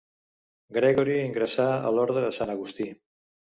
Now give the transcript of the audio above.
Gregori ingressà a l'Orde de Sant Agustí.